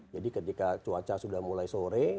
jadi ketika cuaca sudah mulai sore